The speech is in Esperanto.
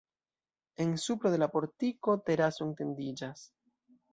En supro de la portiko teraso etendiĝas.